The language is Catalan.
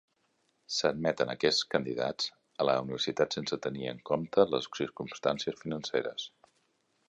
S'admeten aquests candidats a la universitat sense tenir en comte les circumstancies financeres.